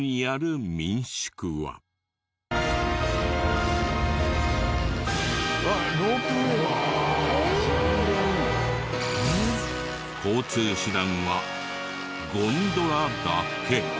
交通手段はゴンドラだけ。